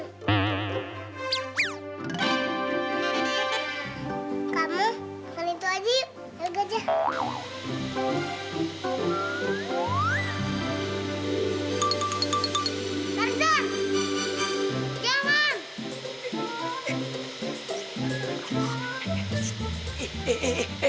kamu makan itu aja yuk